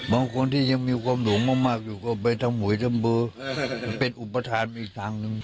บางคนที่ยังมีความหลงมากอยู่ก็ไปทำหวยทำเบอร์เป็นอุปทานไปอีกทางหนึ่ง